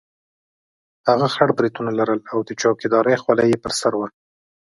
هغه خړ برېتونه لرل او د چوکیدارۍ خولۍ یې پر سر وه.